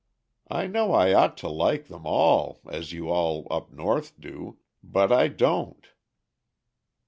I know I ought to like them all, as you all up North do, but I don't."